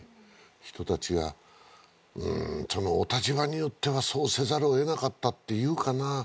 人たちがうーんそのお立場によってはそうせざるをえなかったっていうかな